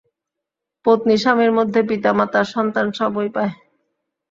পত্নী স্বামীর মধ্যে পিতা মাতা, সন্তান সবই পায়।